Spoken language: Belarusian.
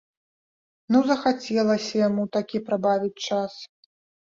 Ну, захацелася яму такі прабавіць час.